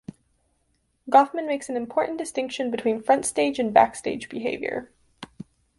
Goffman makes an important distinction between "front stage" and "back stage" behavior.